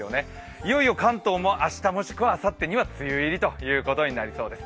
いよいよ関東も明日もしくはあさってに梅雨入りとなりそうです。